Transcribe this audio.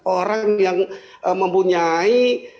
orang yang mempunyai